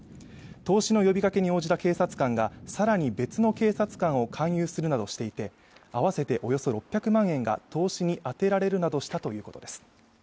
投資の呼びかけに応じた警察官がさらに別の警察官を勧誘するなどしていて合わせておよそ６００万円が投資に充てられるなどしたということです